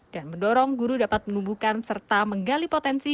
dan mendorong guru dapat menumbuhkan serta menggali potensi